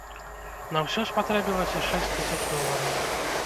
На ўсё спатрэбілася шэсць тысяч долараў.